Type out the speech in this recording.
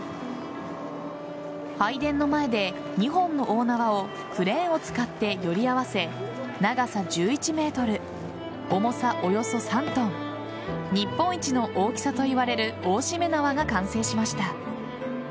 拝殿の前で、２本の大縄をクレーンを使ってより合わせ長さ１１ｍ重さおよそ３ｔ日本一の大きさといわれる大しめ縄が完成しました。